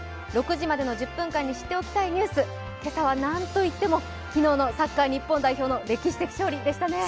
６時までの１０分間に知っておきたいニュース、今朝はなんといっても昨日のサッカー日本代表の歴史的勝利でしたね。